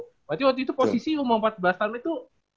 berarti waktu itu posisi umur empat belas tahun itu